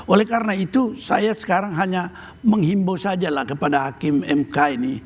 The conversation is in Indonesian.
oleh karena itu saya sekarang hanya menghimbau saja lah kepada hakim mk ini